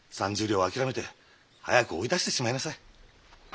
３０両は諦めて早く追い出してしまいなさい。